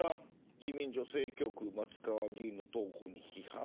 自民女性局松川議員の投稿に批判。